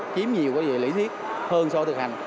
kiếm nhiều cái gì lý thiết hơn so với thực hành